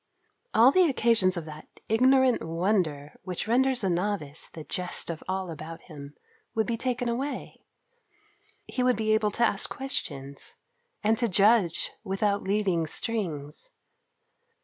All the occasions of that ignorant wonder, which renders a novice the jest of all about him, would be taken away. He would be able to ask questions, and to judge without leading strings.